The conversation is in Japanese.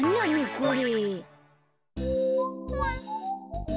これ。